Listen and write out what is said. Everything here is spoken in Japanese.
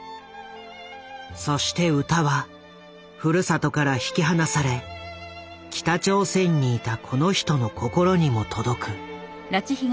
そして歌はふるさとから引き離され北朝鮮にいたこの人の心にも届く。